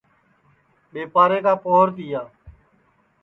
ٻیپارے کا پوہر تِیا